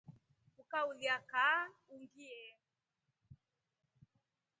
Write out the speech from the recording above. Ukaulya kaa ungie.